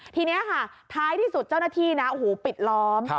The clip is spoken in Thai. ทีนี้ค่ะท้ายที่สุดเจ้าหน้าที่นะโอ้โหปิดล้อม